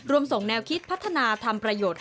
ส่งแนวคิดพัฒนาทำประโยชน์